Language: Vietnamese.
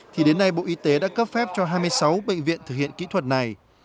thì đến nay bộ y tế đã cấp phép cho hai mươi sáu bệnh viện thực hiện kỹ thuật này